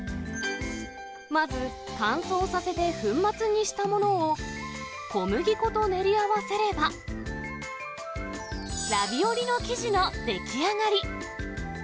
まず、乾燥させて粉末にしたものを、小麦粉と練り合わせれば、ラビオリの生地の出来上がり。